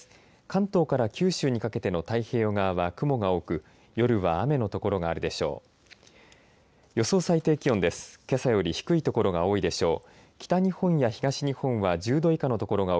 関東から九州にかけての太平洋側は雲が多く夜は雨の所があるでしょう。